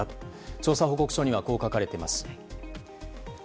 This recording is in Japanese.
調査報告書にはこう書かれています。